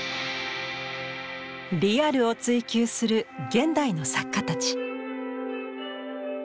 リアルを追求する現代の作家たち。